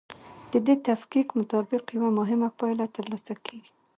د دې تفکیک مطابق یوه مهمه پایله ترلاسه کیږي.